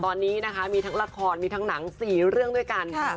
ตอนนี้มีทั้งลาคอนมีทั้งหนัง๔เรื่องด้วยกันค่ะ